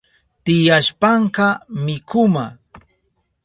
Tiyashpanka mikuma